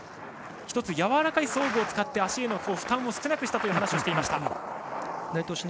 １つ、やわらかい装具を使って足への負担を少なくしたという話をしていました。